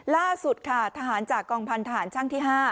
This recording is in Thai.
ล่าสุดค่ะทหารจากกองพันธหารช่างที่๕